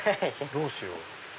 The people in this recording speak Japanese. どうしよう。